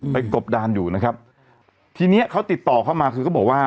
กบดานอยู่นะครับทีเนี้ยเขาติดต่อเข้ามาคือเขาบอกว่า